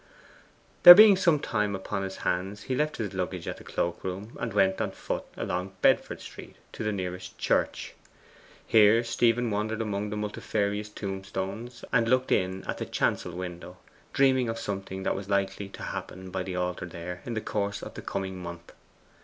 There being some time upon his hands he left his luggage at the cloak room, and went on foot along Bedford Street to the nearest church. Here Stephen wandered among the multifarious tombstones and looked in at the chancel window, dreaming of something that was likely to happen by the altar there in the course of the coming month.